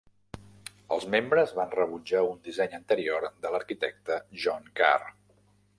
Els membres van rebutjar un disseny anterior de l'arquitecte John Carr.